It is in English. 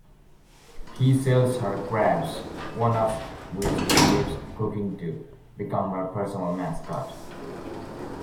He sells her crabs, one of which escapes cooking to become her personal mascot.